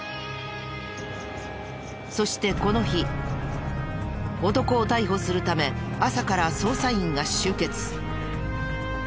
そしてこの日男を逮捕するため朝から捜査員が集結。